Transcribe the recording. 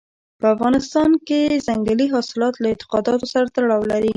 په افغانستان کې ځنګلي حاصلات له اعتقاداتو سره تړاو لري.